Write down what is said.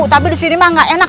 tapi disini mah gak enak